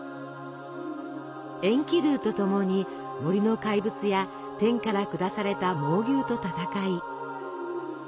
エンキドゥと共に森の怪物や天から下された猛牛と戦い。